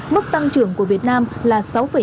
mức tăng trưởng của việt nam là sáu năm